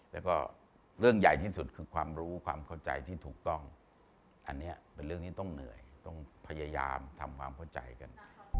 แล้วก็เรื่องใหญ่ที่สุดคือความรู้ความเข้าใจที่ถูกต้องอันนี้เป็นเรื่องที่ต้องเหนื่อยต้องพยายามทำความเข้าใจกัน